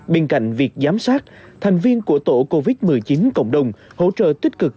bên cạnh việc giám sát thành viên của tổ covid một mươi chín cộng đồng hỗ trợ tích cực